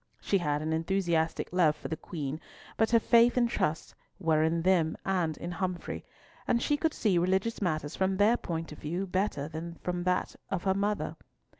She had an enthusiastic love for the Queen, but her faith and trust were in them and in Humfrey, and she could see religious matters from their point of view better than from that of her mother.